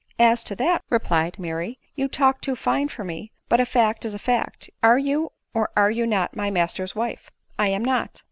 >" As to that," replied Mary, " you talk too fine for me ; but a fact is a fact — are you or are you not my master's wife ?"%" I am not."